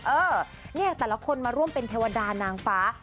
เออเนี่ยแต่ละคนมาร่วมเป็นเทวดานางฟ้า